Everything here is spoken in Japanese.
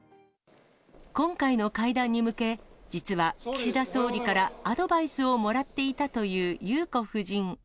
今回の会談に向け、実は岸田総理からアドバイスをもらっていたという裕子夫人。